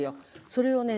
それをね